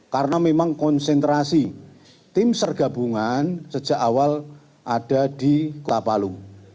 karena memang konsentrasi tim sergabungan sejak awal ada di kota palu